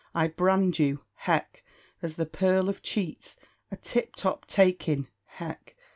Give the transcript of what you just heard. I brand you (hech!) as the pearl of cheats, a tip top take in (hech!).